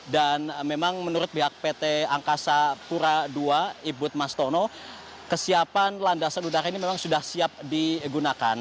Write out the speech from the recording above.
dan memang menurut pihak pt angkasa pura ii ibut mastono kesiapan landasan udara ini memang sudah siap digunakan